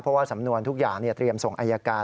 เพราะว่าสำนวนทุกอย่างเตรียมส่งอายการ